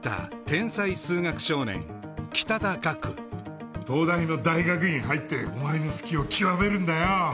天才数学少年東大の大学院入ってお前の好きを極めるんだよ